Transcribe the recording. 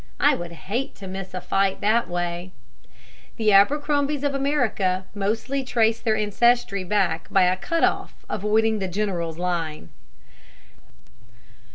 I would hate to miss a fight that way. The Abercrombies of America mostly trace their ancestry back by a cut off avoiding the general's line.